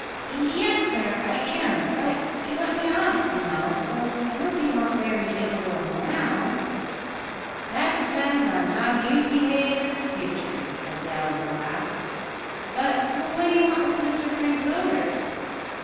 "Yes, sir, I am; but you let me off, you know, so I hope you won't bear me ill will now." "That depends on how you behave in future," said Dale with a laugh; "but what d'you want with Frank Willders?"